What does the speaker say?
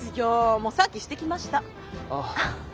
もうさっきしてきました。